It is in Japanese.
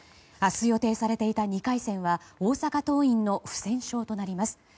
明日、予定されていた２回戦は大阪桐蔭の不戦勝となります。